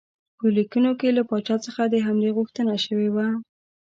په لیکونو کې له پاچا څخه د حملې غوښتنه شوې وه.